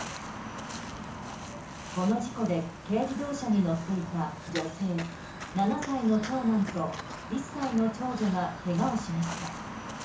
この事故で軽自動車に乗っていた女性７歳の長男と１歳の長女がけがをしました。